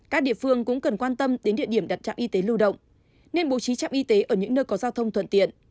các địa phương cũng cần quan tâm đến địa điểm đặt trạm y tế lưu động nên bố trí trạm y tế ở những nơi có giao thông thuận tiện